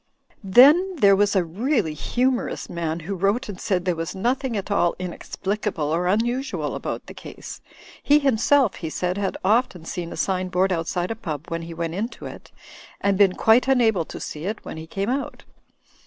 Then there was a really humorous man, who wrote and said there was nothing at all inexplicable or un usual about the case. He himself (he said) had often seen a sign board outside a pub when he went into it, and been quite unable to see it when he came out.